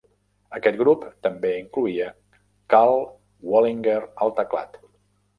Aquest grup també incloïa Karl Wallinger al teclat.